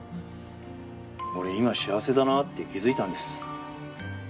俺今幸せだなって気づいたんです。